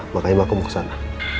makanya mau ke sana